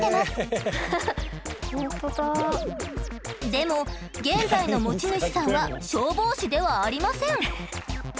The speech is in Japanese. でも現在の持ち主さんは消防士ではありません。